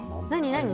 何？